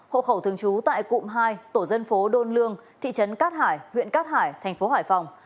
hộ khẩu thường trú tại cụm hai tổ dân phố đôn lương thị trấn cát hải huyện cát hải thành phố hải phòng